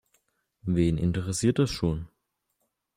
Wen interessiert das schon?